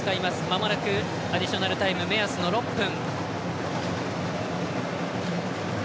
まもなくアディショナルタイム目安の６分。